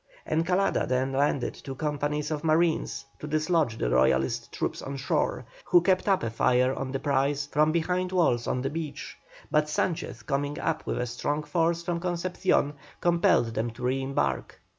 Encalada then landed two companies of marines to dislodge the Royalist troops on shore, who kept up a fire on the prize from behind walls on the beach; but Sanchez coming up with a strong force from Concepcion, compelled them to re embark.